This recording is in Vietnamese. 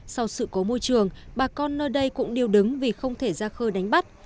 sau sự cố môi trường bà con nơi đây cũng điêu đứng vì không thể ra khơi đánh bắt